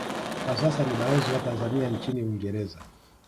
Kwa sasa ni balozi wa Tanzania nchini Uingereza